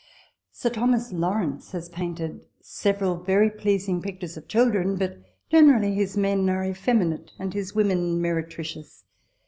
Sir Thomas Lawrence has painted several very pleasing pictures of children ; but generally his men are effeminate, and his women meretricious.